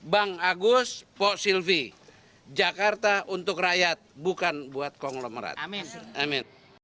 bang agus pak silvi jakarta untuk rakyat bukan buat konglomerat emit